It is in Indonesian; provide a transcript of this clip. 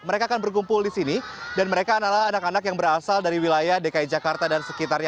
mereka akan berkumpul di sini dan mereka adalah anak anak yang berasal dari wilayah dki jakarta dan sekitarnya